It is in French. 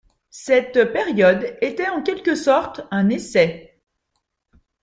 Cette période était en quelque sorte un essai.